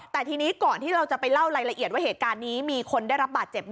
แต่ทีนี้ก่อนที่เราจะไปเล่ารายละเอียดว่าเหตุการณ์นี้มีคนได้รับบาดเจ็บ